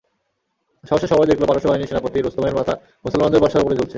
সহসা সবাই দেখল, পারস্য বাহিনীর সেনাপতি রুস্তমের মাথা মুসলমানদের বর্শার উপরে দুলছে।